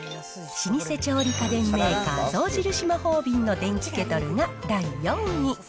老舗調理家電メーカー、象印マホービンの電気ケトルが第４位。